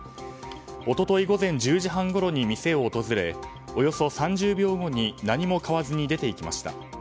一昨日午前１０時半ごろに店を訪れおよそ３０秒後に何も買わずに出て行きました。